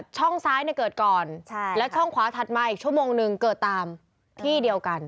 ช่องซ้ายเนี่ยเกิดก่อนแล้วช่องขวาถัดมาอีกชั่วโมงหนึ่งเกิดตามที่เดียวกัน